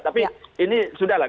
tapi ini sudah lah